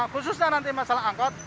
khususnya nanti masalah angkut